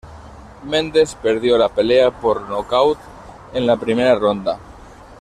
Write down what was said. Mendes perdió la pelea por nocaut en la primera ronda.